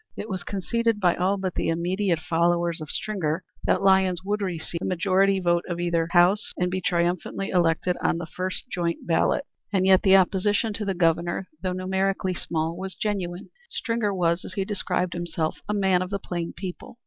It was conceded by all but the immediate followers of Stringer that Lyons would receive the majority vote of either house, and be triumphantly elected on the first joint ballot. And yet the opposition to the Governor, though numerically small, was genuine. Stringer was, as he described himself, a man of the plain people.